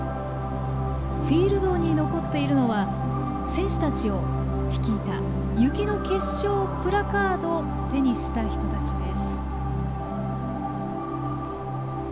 フィールドに残っているのは選手たちを率いた雪の結晶のプラカードを手にした人たち。